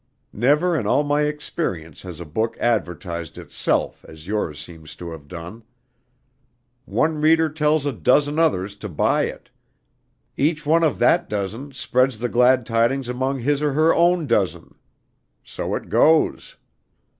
Never in all my experience has a book advertised itself as yours seems to have done. One reader tells a dozen others to buy it. Each one of that dozen spreads the glad tidings among his or her own dozen. So it goes!